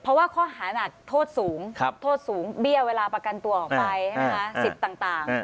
เพราะว่าข้อหานักโทษสูงโทษสูงเบี้ยเวลาประกันตัวออกไปใช่ไหมคะสิทธิ์ต่าง